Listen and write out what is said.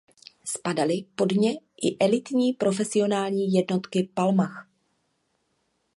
Spadaly pod ně i elitní profesionální jednotky Palmach.